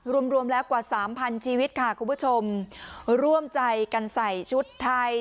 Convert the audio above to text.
รวมรวมแล้วกว่าสามพันชีวิตค่ะคุณผู้ชมร่วมใจกันใส่ชุดไทย